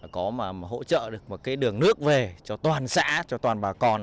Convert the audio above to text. có mà hỗ trợ được một cái đường nước về cho toàn xã cho toàn bà con